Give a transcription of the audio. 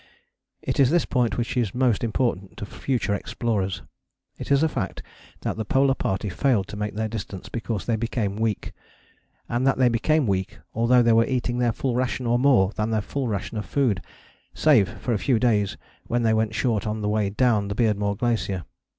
It is this point which is most important to future explorers. It is a fact that the Polar Party failed to make their distance because they became weak, and that they became weak although they were eating their full ration or more than their full ration of food, save for a few days when they went short on the way down the Beardmore Glacier.